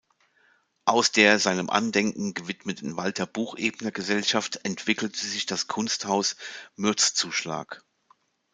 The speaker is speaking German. Aus der seinem Andenken gewidmeten Walter-Buchebner-Gesellschaft entwickelte sich das Kunsthaus Mürzzuschlag.